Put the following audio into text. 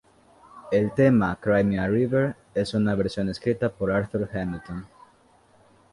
El tema "Cry Me a River" es una versión escrita por Arthur Hamilton.